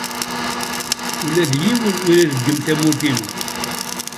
Ula d yiwen ur ireggem tamurt-inu.